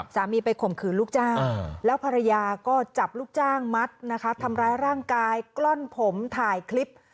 สามีไปข่มขืนลูกจ้างแล้วภรรยาก็จับลูกจ้างมัดนะคะทำร้ายร่างกายกล้อนผมถ่ายคลิป